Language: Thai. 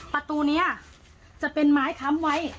ประตูนี้จะเป็นไม้ค้ำไว้